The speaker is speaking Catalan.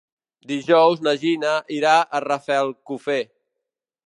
Dijous na Gina irà a Rafelcofer.